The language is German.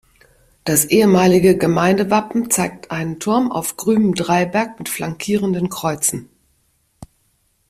Das ehemalige Gemeindewappen zeigt einen Turm auf grünem Dreiberg mit flankierenden Kreuzen.